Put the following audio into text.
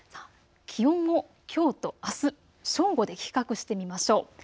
気温をきょうとあす、正午で比較してみましょう。